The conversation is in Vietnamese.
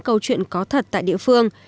câu chuyện có thật tại địa phương